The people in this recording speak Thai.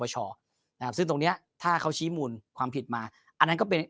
ซึ่งตรงเนี้ยถ้าเขาชี้มูลความผิดมาอันนั้นก็เป็น